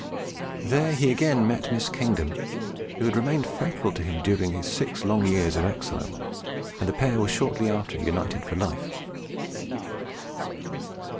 There he again met Miss Kingdom, who had remained faithful to him during his six long years of exile, and the pair were shortly after united for life.